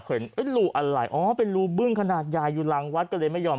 เห็นรูอะไรอ๋อเป็นรูบึ้งขนาดใหญ่อยู่หลังวัดก็เลยไม่ยอม